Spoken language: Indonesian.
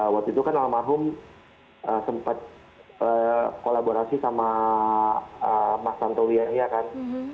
waktu itu kan almarhum sempat kolaborasi sama mas santowi yahya kan